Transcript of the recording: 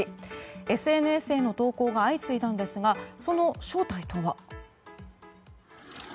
ＳＮＳへの投稿が相次いだんですがその正体とは。